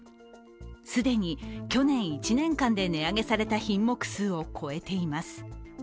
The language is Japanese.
既に去年１年間で値上げされた品目数を超えています。